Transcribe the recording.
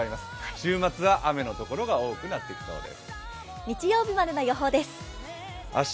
週末は雨の所が多くなってきそうです。